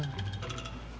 gak bisa dibeli sebagian aja